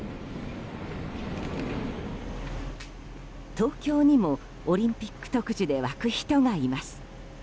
東京にもオリンピック特需で沸く人がいます。